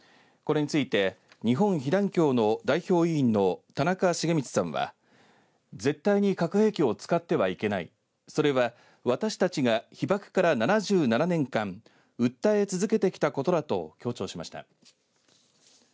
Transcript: これについて日本被団協の代表委員の田中重光さんは絶対に核兵器を使ってはいけないそれは私たちが被爆から７７年間訴え続けてきたことだと強調しました。